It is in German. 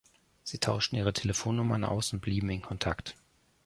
Sie tauschten ihre Telefonnummern aus und blieben in Kontakt.